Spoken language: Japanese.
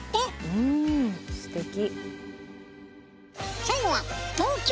うんすてき。